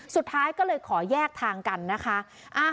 สุดท้ายก็เลยขอแยกทางกันนะคะ